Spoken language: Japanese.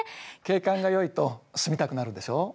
景観がよいと住みたくなるでしょ。